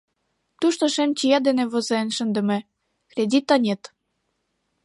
Тушто шем чия дене возен шындыме: «Кредита нет».